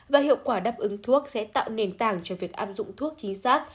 và hiệu quả đáp ứng thuốc sẽ tạo nền tảng cho việc áp dụng thuốc chính xác